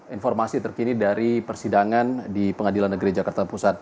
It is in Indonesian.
informasi terkini dari persidangan di pengadilan negeri jakarta pusat